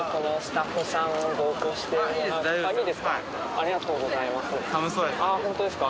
ありがとうございます。